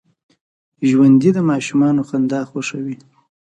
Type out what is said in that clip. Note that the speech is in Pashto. ژوندي د ماشومانو خندا خوښوي